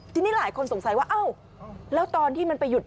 ทีนี้หลายคนสงสัยว่าเอ้าแล้วตอนที่มันไปหยุด